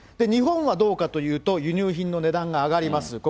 日本はどうかというと、輸入品の値段が上がります。